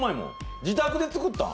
自宅で作ったん？